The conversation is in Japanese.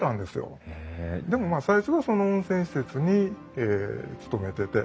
でもまあ最初はその温泉施設に勤めてて。